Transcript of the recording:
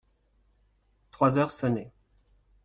Trois heures sonnaient.